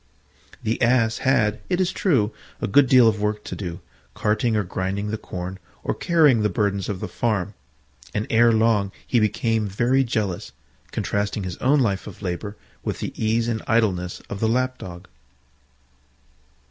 The Ass had, it is true, a good deal of work to do, carting or grinding the corn, or carrying the burdens of the farm: and ere long he became very jealous, contrasting his own life of labour with the ease and idleness of the Lap dog.